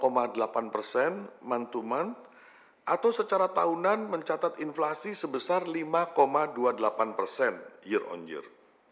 kelompok volatile food mencatat deflasi sebesar delapan month to month atau secara tahunan mencatat inflasi sebesar lima dua puluh delapan year on year